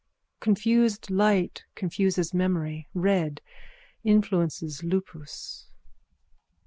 Confused light confuses memory. Red influences lupus.